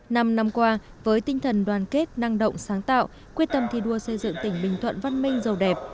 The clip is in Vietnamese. năm năm qua với tinh thần đoàn kết năng động sáng tạo quyết tâm thi đua xây dựng tỉnh bình thuận văn minh giàu đẹp